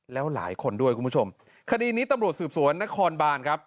แล้วหลายคนด้วยคุณผู้ชมคดีนี้ตำรวจสืบสวนนครบานครับ